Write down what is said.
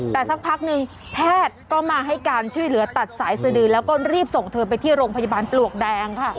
แต่สักพักนึงแพทย์ก็มาให้การช่วยเหลือตัดสายสดือแล้วก็รีบส่งเธอไปที่โรงพยาบาลปลวกแดงค่ะ